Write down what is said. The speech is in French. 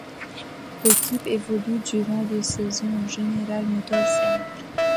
L'équipe évolue durant deux saisons au General Motors Centre.